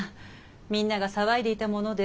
みんなが騒いでいたもので。